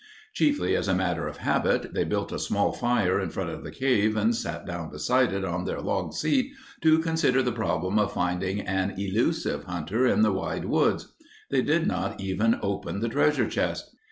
Chiefly as a matter of habit they built a small fire in front of the Cave and sat down beside it on their log seat to consider the problem of finding an elusive hunter in the wide woods. They did not even open the treasure chest.